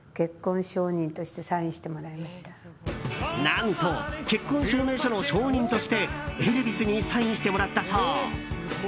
何と、結婚証明書の証人としてエルヴィスにサインしてもらったそう。